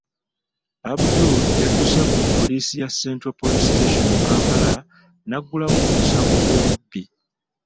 Abdul yadduse ku Poliisi ya Central Police Station mu Kampala n'aggulawo omusango gw'obubbi.